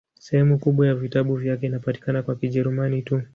Sehemu kubwa ya vitabu vyake inapatikana kwa Kijerumani tu.